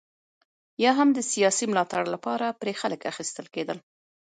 یا هم د سیاسي ملاتړ لپاره پرې خلک اخیستل کېدل.